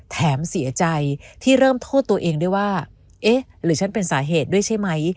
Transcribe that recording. แถมเสียใจที่เริ่มโทษตัวเองด้วยว่าเอ๊ะหรือฉันเป็นสาเหตุด้วยใช่ไหม